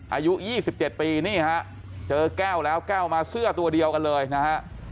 อายุ๒๗ปีนี่ฮะเจอแก้วแล้วแก้วมาเสื้อตัวเดียวกันเลยนะฮะ